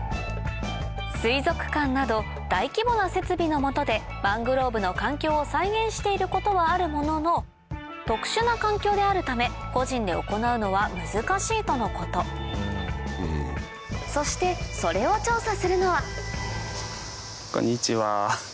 水族館など大規模な設備のもとでマングローブの環境を再現していることはあるものの特殊な環境であるため個人で行うのは難しいとのことそしてそれを調査するのはこんにちは。